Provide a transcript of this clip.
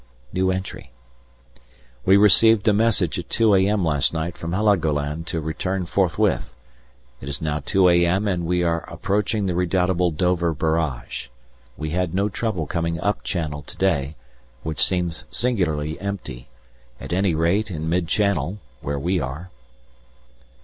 We received a message at 2 a.m. last night from Heligoland to return forthwith; it is now 2 a.m. and we are approaching the redoubtable Dover Barrage. We had no trouble coming up channel to day, which seems singularly empty, at any rate in mid channel, where we were.